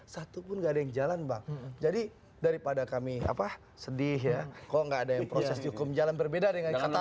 satu pun gak ada yang jalan bang jadi daripada kami apa sedih ya kok nggak ada yang proses hukum jalan berbeda dengan kita